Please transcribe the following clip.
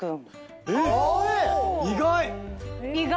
意外！